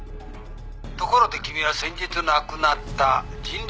「ところで君は先日亡くなった仁